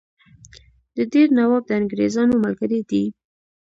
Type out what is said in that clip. د دیر نواب د انګرېزانو ملګری دی.